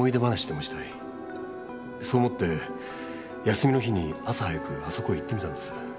そう思って休みの日に朝早くあそこへ行ってみたんです。